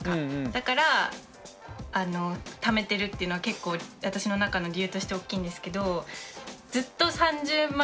だからためてるっていうのは結構私の中の理由として大きいんですけど。